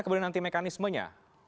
kemudian nanti mekanismenya